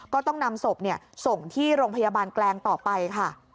ก็ต้องนำศพส่งที่โรงพยาบาลแกลงต่อไปค่ะ